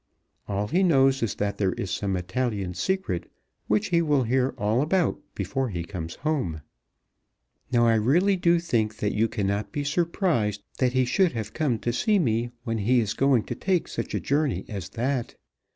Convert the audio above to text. All he knows is that there is some Italian secret which he will hear all about before he comes home. Now I really do think that you cannot be surprised that he should have come to see me when he is going to take such a journey as that.